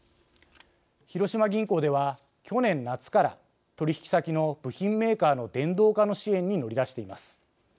広島銀行では、去年夏から取引先の部品メーカーの電動化の支援に乗り出しています。